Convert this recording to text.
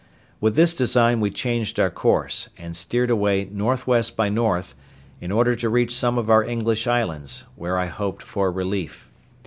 With this design we changed our course, and steered away N.W. by W., in order to reach some of our English islands, where I hoped for relief.